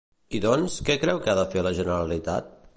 I doncs, què creu que ha de fer la Generalitat?